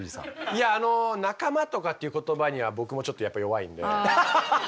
いやあの仲間とかっていう言葉には僕もちょっとやっぱ弱いんで。